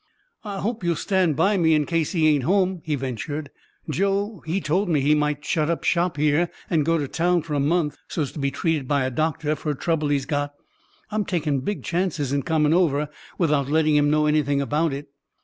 "I hope you'll stand by me in case he ain't home," he ventured. "Joe, he told me he might shut up shop here and go to town for a month, so's to be treated by a doctor for a trouble he's got. I'm takin' big chances in comin' over without letting him know anything about it."